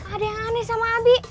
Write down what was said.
ada yang aneh sama abi